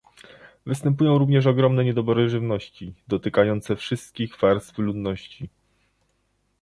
Występują również ogromne niedobory żywności dotykające wszystkich warstw ludności